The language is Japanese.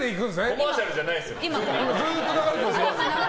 コマーシャルじゃないですよ。